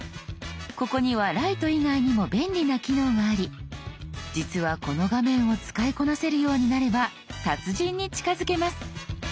ここにはライト以外にも便利な機能があり実はこの画面を使いこなせるようになれば達人に近づけます。